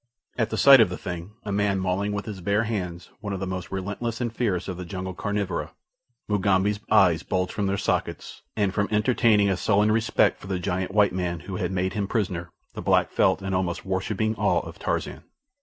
At the sight of the thing—a man mauling with his bare hands one of the most relentless and fierce of the jungle carnivora—Mugambi's eyes bulged from their sockets, and from entertaining a sullen respect for the giant white man who had made him prisoner, the black felt an almost worshipping awe of Tarzan.